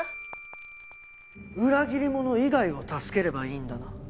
裏切り者以外を助ければいいんだな？